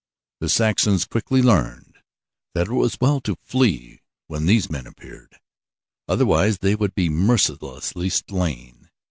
The Saxons quickly learned that it was well to flee when these men appeared. Otherwise they would be mercilessly slain.